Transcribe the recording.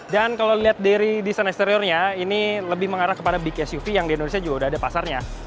dan kalau dilihat dari desain eksteriornya ini lebih mengarah kepada big suv yang di indonesia juga udah ada pasarnya